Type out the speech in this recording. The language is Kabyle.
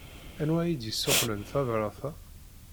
Anwa ay d-yessuqqlen tabṛat-a?